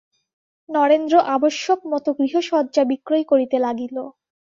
নরেন্দ্র আবশ্যকমত গৃহসজ্জা বিক্রয় করিতে লাগিল।